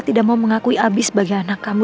tidak mau mengakui abi sebagai anak kami